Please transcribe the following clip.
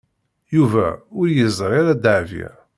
Yuba ur yeẓri ara Dahbiya.